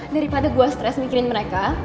daripada gue stres mikirin mereka